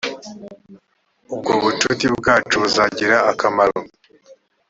ubwo bucuti bwacu buzagira akamaro